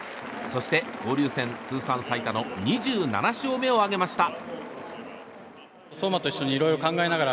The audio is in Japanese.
そして交流戦通算最多の２７勝目を挙げました。